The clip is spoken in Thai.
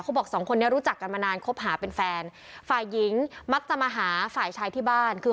บอกสองคนนี้รู้จักกันมานานคบหาเป็นแฟนฝ่ายหญิงมักจะมาหาฝ่ายชายที่บ้านคือ